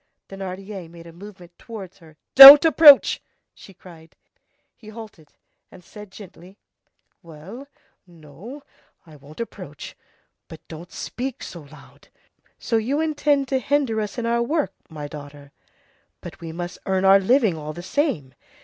Thénardier made a movement towards her. "Don't approach!" she cried. He halted, and said gently:— "Well, no; I won't approach, but don't speak so loud. So you intend to hinder us in our work, my daughter? But we must earn our living all the same.